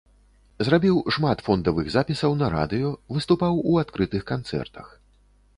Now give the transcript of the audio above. Зрабіў шмат фондавых запісаў на радыё, выступаў у адкрытых канцэртах.